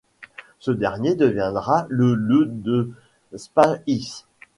Ce dernier deviendra le le de spahis.